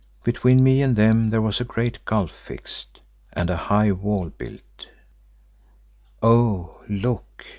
Between me and them there was a great gulf fixed and a high wall built. Oh, look!